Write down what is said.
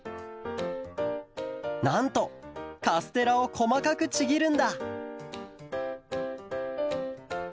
なんとカステラをこまかくちぎるんだ！